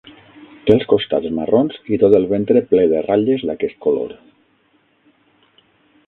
Té els costats marrons i tot el ventre ple de ratlles d'aquest color.